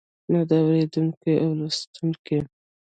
نو د اوريدونکي او لوستونکي